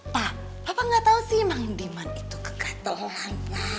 pa papa gak tau sih mandiman itu kegatelan